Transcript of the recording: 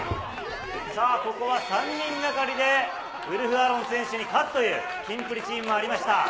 さあ、ここは３人がかりでウルフ・アロン選手に勝つという、キンプリチームもありました。